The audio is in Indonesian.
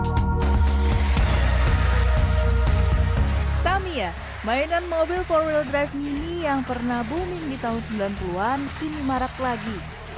hai tamiya mainan mobil four wheel drive mini yang pernah booming di tahun sembilan puluh an kini marak lagi